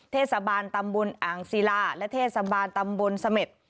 เทศบาลตำบลอ่างศิลาและเทศบาลตำบลเสม็ด